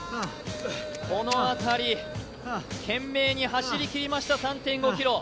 この辺り、懸命に走りきりました３．５ｋｍ。